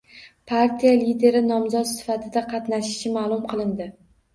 Partiya lideri nomzod sifatida qatnashishi maʼlum qilindi.